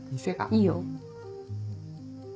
いいよ